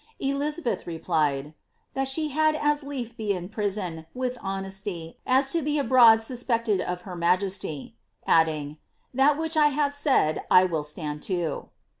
EHizabeth re plied, ^ that she had as lief be in prison, with honesty, as to be abroad suspected of her majesty," adding, ^that which I have said I will stand to."